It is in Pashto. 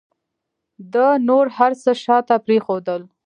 ده نور هر څه شاته پرېښودل.